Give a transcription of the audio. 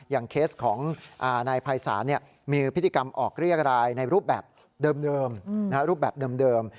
อย่างเคสของนายภัยศาสน์มีพฤติกรรมออกเรียกรายในรูปแบบเดิม